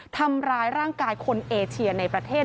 ทำร้ายร่างกายคนเอเชียในประเทศ